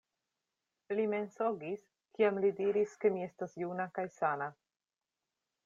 Li mensogis, kiam li diris, ke mi estas juna kaj sana!